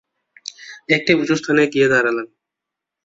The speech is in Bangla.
একটি উঁচু স্থানে গিয়ে দাঁড়ালেন।